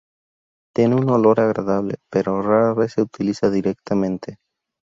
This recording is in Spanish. Tiene un olor agradable, pero rara vez se utiliza directamente.